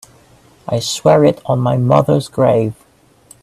I swear it on my mother's grave.